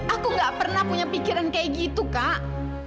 aku gak pernah punya pikiran kayak gitu kak